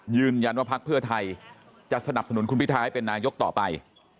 ยืนยันว่าภักดิ์เพื่อไทยจะสนับสนุนคุณพิทาเป็นนายกต่อไป